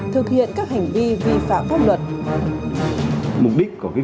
thực hiện các hành vi vi phạm pháp luật